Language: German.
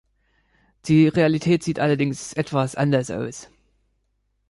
Die Realität sieht allerdings etwas anders aus.